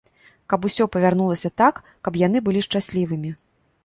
Каб усё павярнулася так, каб яны былі шчаслівымі.